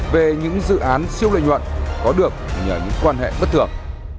về những dự án siêu lợi nhuận có được nhờ những quan hệ bất thường